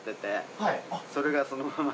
それがそのまま。